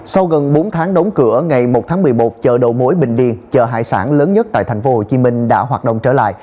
sau gần bốn tháng đóng cửa ngày một tháng một mươi một chợ đầu mối bình điền chợ hải sản lớn nhất tại tp hcm đã hoạt động trở lại